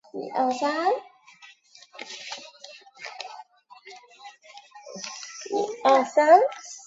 单瘤酸模为蓼科酸模属下的一个种。